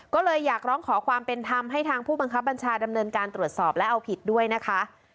ก็เลยอยากร้องขอความเป็นธรรมให้ทางผู้บังคับบัญชาดำเนินการตรวจสอบและเอาผิดด้วยนะคะ